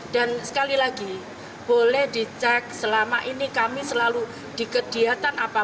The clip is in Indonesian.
dan sekali lagi boleh dicek selama ini kami selalu di kediatan apapun